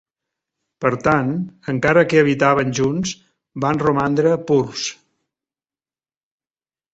Per tant, encara que habitaven junts, van romandre "purs".